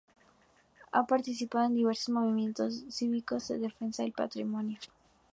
Ha participado en diversos movimientos cívicos en defensa del patrimonio.